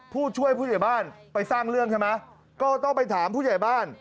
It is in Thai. ผู้ช่วยผู้ใหญ่บ้านไปสร้างเรื่องใช่ไหมก็ต้องไปถามผู้ใหญ่บ้าน